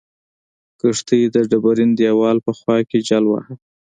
کښتۍ د ډبرین دیوال په خوا کې جل واهه.